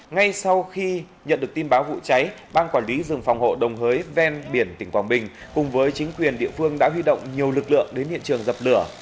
ngay sau khi nhận được tin báo vụ cháy ban quản lý rừng phòng hộ đồng hới ven biển tỉnh quảng bình cùng với chính quyền địa phương đã huy động nhiều lực lượng đến hiện trường dập lửa